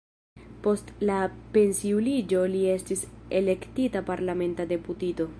Post la pensiuliĝo li estis elektita parlamenta deputito.